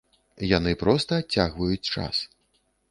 Яны проста адцягваюць час.